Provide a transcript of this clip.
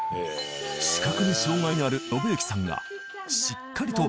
視覚に障がいのある伸行さんがしっかりと